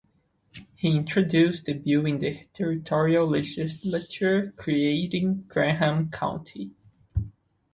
He introduced the bill in the territorial legislature creating Graham County.